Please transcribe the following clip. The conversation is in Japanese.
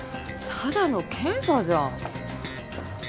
ただの検査じゃん。